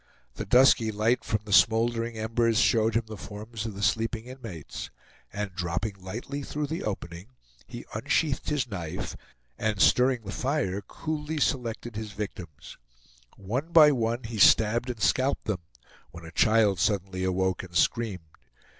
The dusky light from the smoldering embers showed him the forms of the sleeping inmates; and dropping lightly through the opening, he unsheathed his knife, and stirring the fire coolly selected his victims. One by one he stabbed and scalped them, when a child suddenly awoke and screamed.